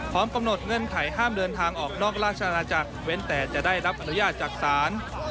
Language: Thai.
พร้อมกำหนดเงื่อนไขห้ามเดินทางออกนอกราชอาณาจักรเว้นแต่จะได้รับอนุญาตจากศาล